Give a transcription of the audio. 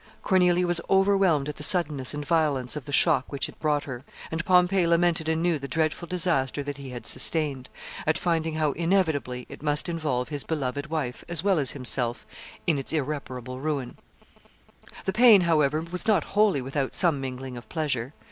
Cornelia was overwhelmed at the suddenness and violence of the shock which it brought her, and Pompey lamented anew the dreadful disaster that he had sustained, at finding how inevitably it must involve his beloved wife as well as himself in its irreparable ruin. [Sidenote: Pompey gathers a little fleet.] The pain, however, was not wholly without some mingling of pleasure.